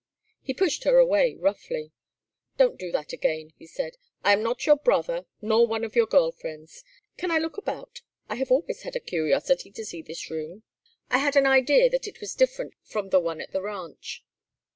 He pushed her away roughly. "Don't do that again!" he said. "I am not your brother, nor one of your girl friends. Can I look about? I have always had a curiosity to see this room. I had an idea that it was different from the one at the ranch."